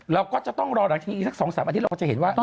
เราก็จะต้องรอหลังจากนี้อีกสัก๒๓อาทิตย์เราจะเห็นว่า